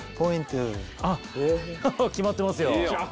決まってますよ。